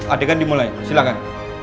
adegan dimulai silahkan